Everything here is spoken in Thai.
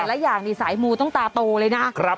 และอย่างนี้สายมูต้องตาโตเลยนะ